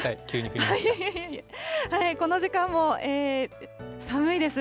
この時間も寒いです。